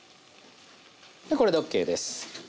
これでＯＫです。